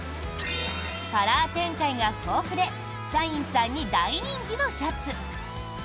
カラー展開が豊富で社員さんに大人気のシャツ。